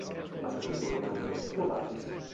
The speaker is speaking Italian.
Basata sul romanzo "Quo vadis?